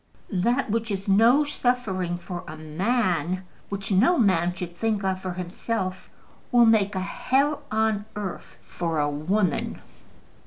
"That which is no suffering for a man, which no man should think of for himself, will make a hell on earth for a woman."